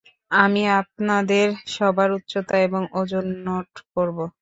আমি আপনাদের সবার উচ্চতা এবং ওজন নোট করবো।